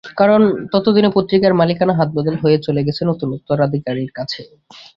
কারণ ততদিনে পত্রিকার মালিকানা হাতবদল হয়ে চলে গেছে নতুন উত্তরাধিকারীর কাছে।